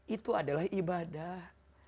itu adalah ibadah